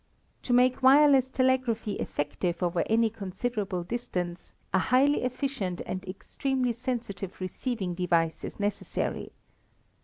To make wireless telegraphy effective over any considerable distance a highly efficient and extremely sensitive receiving device is necessary.